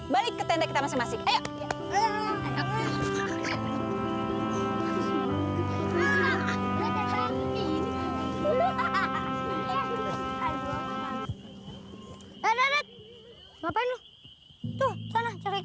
hai kenapa sih kalau ini selalu jahat